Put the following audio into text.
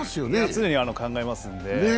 常に考えますんで。